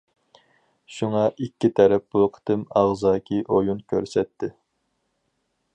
شۇڭا ئىككى تەرەپ بۇ قېتىم ئاغزاكى ئويۇن كۆرسەتتى.